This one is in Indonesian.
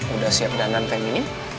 udah siap dandanan feminin